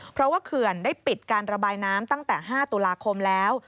เพราะว่าเขื่อนได้ปิดการระบายน้ำตั้งแต่๕ตุลาคมแล้ว